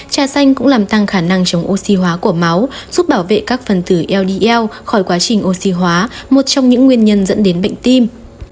trà xanh cũng làm tăng khả năng chống oxy hóa của máu giúp bảo vệ các phần tử ld khỏi quá trình oxy hóa một trong những nguyên nhân dẫn đến bệnh tim